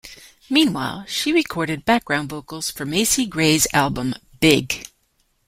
Meanwhile, she recorded background vocals for Macy Gray's album "Big".